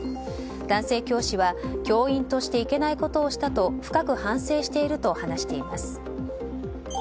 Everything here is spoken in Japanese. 男性教師は、教員としていけないことをしたと深く反省していると話しています。